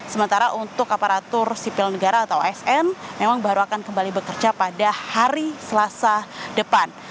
sementara untuk aparatur sipil negara atau asn memang baru akan kembali bekerja pada hari selasa depan